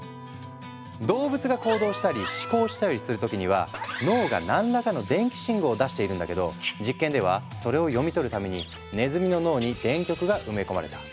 動物が行動したり思考したりする時には脳が何らかの電気信号を出しているんだけど実験ではそれを読み取るためにねずみの脳に電極が埋め込まれた。